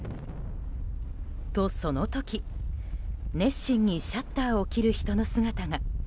と、その時、熱心にシャッターを切る人の姿が。